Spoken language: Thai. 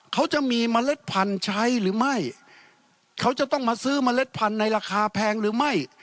เขาจะมีเมล็ดพันธุ์ใช้หรือไม่เขาจะต้องมาซื้อเมล็ดพันธุ์ในราคาแพงหรือไม่